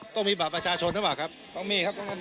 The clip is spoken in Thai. ต้องมีบัตรประชาชนทั้งหมดครับ